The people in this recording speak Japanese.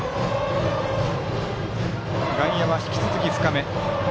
外野は引き続き深め。